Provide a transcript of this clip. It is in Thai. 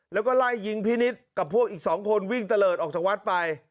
แล้วก็ไล่ยิงพี่นิดกับพวกอีก๒คนวิ่งตะเลิศออกจากวัดไป